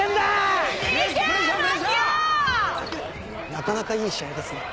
なかなかいい試合ですね。